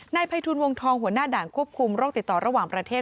ภัยทูลวงทองหัวหน้าด่านควบคุมโรคติดต่อระหว่างประเทศ